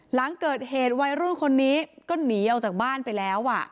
หลังเกิดเหตุวัยรุ่นคนนี้ก็หนีออกจากบ้านไปแล้ว